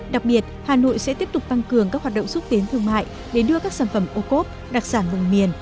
đặc biệt hà nội sẽ tiếp tục tăng cường các hoạt động xúc tiến thương mại để đưa các sản phẩm ô cốp đặc sản vùng miền